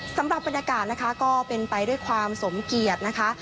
สำหรับบรรยากาศนะคะก็เป็นไปด้วยความสมเกียรตินะคะ